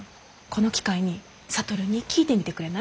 この機会に智に聞いてみてくれない？